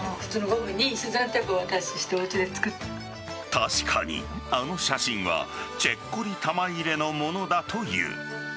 確かに、あの写真はチェッコリ玉入れのものだという。